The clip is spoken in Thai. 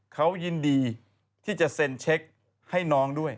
เขายินดีที่จะเซ็นเช็คให้น้องด้วย